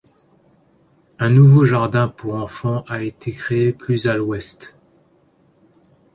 Un nouveau jardin pour enfant a été créé plus à l'ouest.